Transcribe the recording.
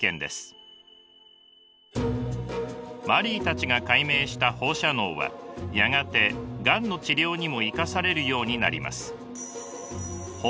マリーたちが解明した放射能はやがてがんの治療にも生かされるようになります。